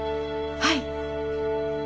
はい。